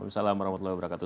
assalamualaikum wr wb